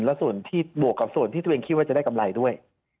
และส่วนที่บวกกับส่วนที่ตัวเองคิดว่าจะได้กำไรด้วย